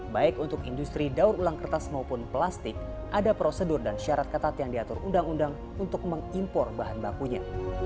baik untuk industri daur ulang kertas maupun plastik ada prosedur dan syarat ketat yang diatur undang undang untuk mengimpor bahan bakunya